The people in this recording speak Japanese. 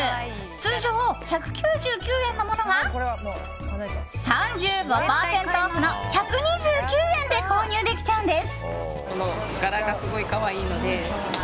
通常１９９円のものが３５％オフの１２９円で購入できちゃうんです。